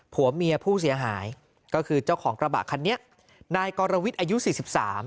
ผัวเมียผู้เสียหายก็คือเจ้าของกระบะคันนี้นายกรวิทย์อายุสี่สิบสาม